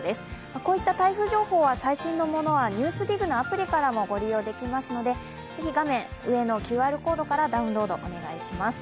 こういった台風情報は最新のものはアプリからもご利用できますので画面上のＱＲコードからダウンロードお願いします。